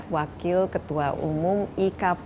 wakil ketua umum ikp